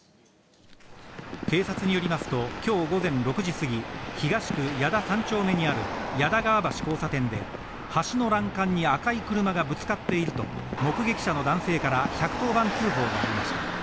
警察によりますと、今日午前６時過ぎ、東区矢田３丁目にある矢田川橋交差点で、橋の欄干に赤い車がぶつかっていると目撃者の男性から１１０番通報がありました。